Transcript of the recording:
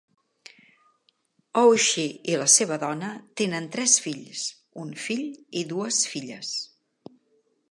O'Shea i la seva dona tenen tres fills, un fill i dues filles.